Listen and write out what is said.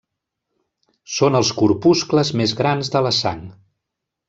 Són els corpuscles més grans de la sang.